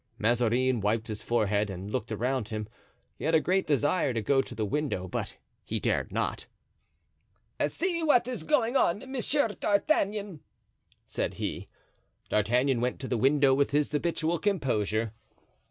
Mazarin wiped his forehead and looked around him. He had a great desire to go to the window, but he dared not. "See what is going on, Monsieur D'Artagnan," said he. D'Artagnan went to the window with his habitual composure.